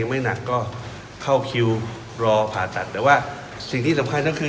ไม่หนักก็เข้าคิวรอผ่าตัดแต่ว่าสิ่งที่สำคัญก็คือ